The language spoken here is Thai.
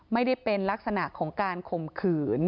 ไม่ได้เป็นลักษณะของการข่มขืน